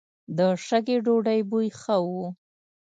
د شګې ډوډۍ بوی ښه و.